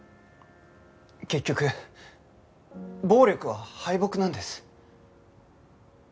結局暴力は敗北なんです。